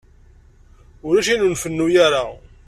Ulac ayen ur n-fennu ara.